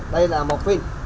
đây là một phim